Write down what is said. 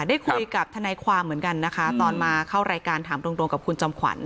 ได้คุยกับทนายความเหมือนกันนะคะตอนมาเข้ารายการถามตรงกับคุณจอมขวัญ